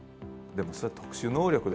でもそれは特殊能力ですよね